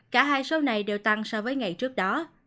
cả hai số này đều tăng so với ngày trước đó